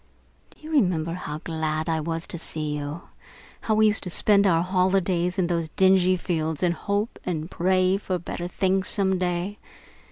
"Do you remember how glad I was to see you? How we used to spend our holidays out in those dingy fields and hope and pray for better things some day?